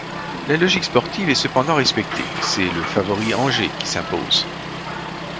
La logique sportive est cependant respectée, c'est le favori Angers qui s'impose.